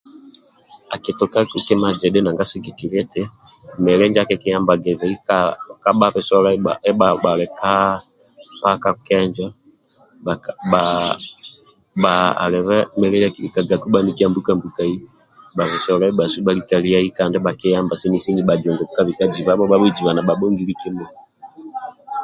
Akitukau kima zidhi nanga sigikilia eti mili njo akikiyamhaga ka kabha bisolo ndibha bhali ka paja kenjo bha bha alibe mili ndia akibakagu bhanikia mbuka mbukai bhabisolo bhalika liai kandi bhakiyamba sini sini bhajungu kabika jibai bhabhujiba nibhabhongili kimui